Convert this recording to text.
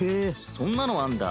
そんなのあんだ。